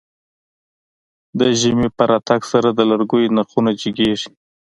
د ژمی په راتګ سره د لرګيو نرخونه جګېږي.